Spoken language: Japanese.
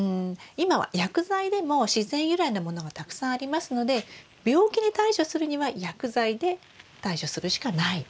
今は薬剤でも自然由来のものがたくさんありますので病気に対処するには薬剤で対処するしかないんですね。